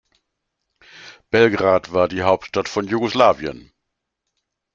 Belgrad war die Hauptstadt von Jugoslawien.